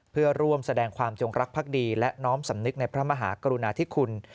เพื่อร่วมแสดงความจงรักภักดีและน้อมสำนึกในพระมหากรุณาธิคุณ